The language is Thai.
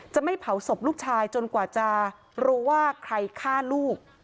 จะไม่เผาศพลูกชายจนกว่าจะรู้ว่าใครฆ่าลูก